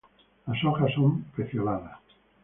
Las hojas son pecioladas.